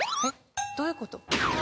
えっどういうこと？